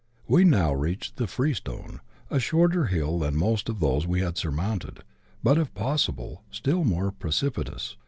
We now reac^hed " tlu^ Kreestone," a shorter hill than most of those we had surmoimled, l)ut, if possible, still more pr<;cipitous.